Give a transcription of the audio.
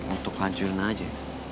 untuk hancurin aja